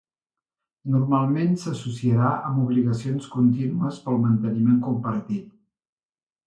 Normalment s'associarà amb obligacions continues pel manteniment compartit.